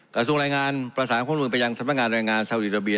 กระทรวงแรงงานประสานข้อมูลไปยังสำนักงานแรงงานชาวดีราเบีย